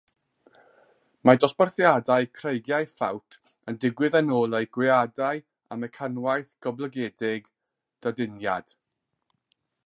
Mae dosbarthiadau creigiau ffawt yn digwydd yn ôl eu gweadau a mecanwaith goblygedig daduniad.